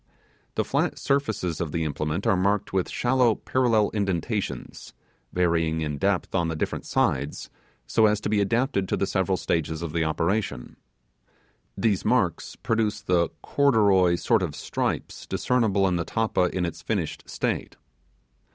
The flat surfaces of the implement are marked with shallow parallel indentations, varying in depth on the different sides, so as to be adapted to the several stages of the operation. These marks produce the corduroy sort of stripes discernible in the tappa in its finished state.